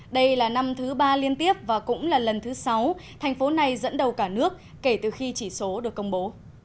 đây là năm thứ ba liên tiếp và cũng là lần thứ sáu thành phố này dẫn đầu cả nước kể từ khi chỉ số được công bố